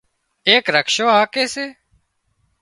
ايڪ رڪشو هاڪي سي